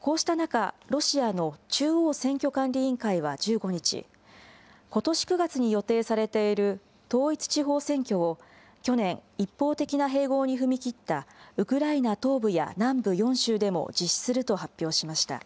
こうした中、ロシアの中央選挙管理委員会は１５日、ことし９月に予定されている統一地方選挙を去年、一方的な併合に踏み切ったウクライナ東部や南部４州でも実施すると発表しました。